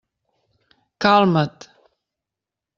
Calma't.